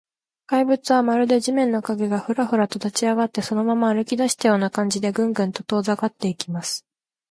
怪物は、まるで地面の影が、フラフラと立ちあがって、そのまま歩きだしたような感じで、グングンと遠ざかっていきます。